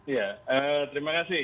ya terima kasih